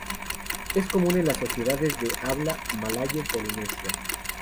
Es común en las sociedades de habla malayo-polinesia.